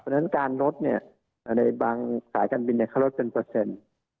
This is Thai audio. เพราะฉะนั้นการลดเนี่ยในบางสายการบินเขาลดเป็นเปอร์เซ็นต์